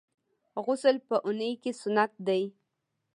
غسل په اونۍ کي سنت دی.